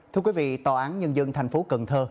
thưa quý vị tòa án nhân dân thành phố cần thơ